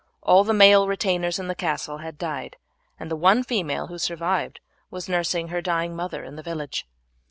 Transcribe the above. All the male retainers in the castle had died, and the one female who survived was nursing her dying mother in the village.